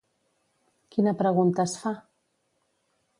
Quina pregunta es fa?